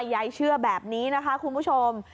ยายเชื่อแบบนี้นะคะคุณผู้ชม